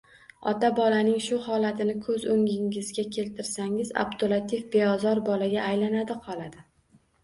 Ota-bolaning shu holatini ko‘z o‘ngingizga keltirsangiz — Abdulatif beozor bolaga aylanadi-qoladi